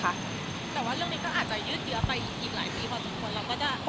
แต่ว่าเรื่องนี้ก็อาจจะยืดเยอะไปอีกหลายปีค่ะทุกคนเราก็จะ